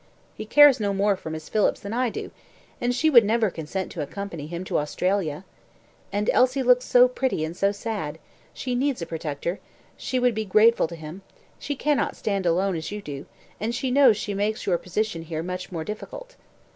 He cares no more for Miss Phillips than I do, and she would never consent to accompany him to Australia. And Elsie looks so pretty and so sad, she needs a protector; she would be grateful to him; she cannot stand alone, as you do; and she knows she makes your position here much more difficult."